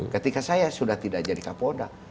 ketika saya sudah tidak jadi kapolda